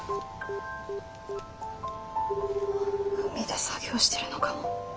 海で作業してるのかも。